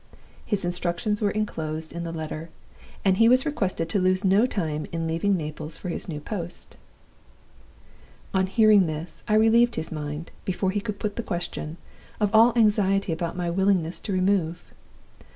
His instructions were inclosed in the letter, and he was requested to lose no time in leaving Naples for his new post. "On hearing this, I relieved his mind, before he could put the question, of all anxiety about my willingness to remove.